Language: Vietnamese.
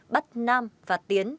bắt nam và tiến